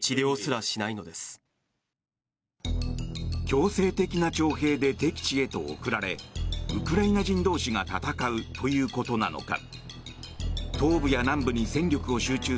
強制的な徴兵で敵地へと送られウクライナ人同士が戦うということなのか。